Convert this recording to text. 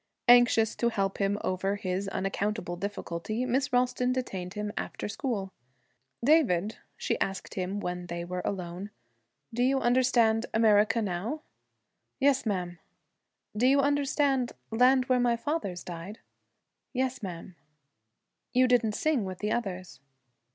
Anxious to help him over his unaccountable difficulty, Miss Ralston detained him after school. 'David,' she asked him, when they were alone, 'do you understand "America" now?' 'Yes, ma'am.' 'Do you understand "Land where my fathers died"?' 'Yes, ma'am.' 'You didn't sing with the others.'